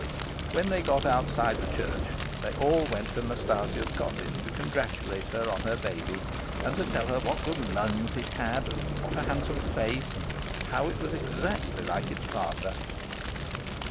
When they got outside the church, they all went to Nastasia's cottage to congratulate her on her baby, and to tell her what good lungs it had, and what a handsome face, and how it was exactly like its father.